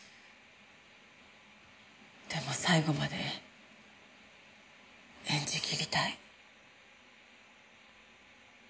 でも最後まで演じきりたい。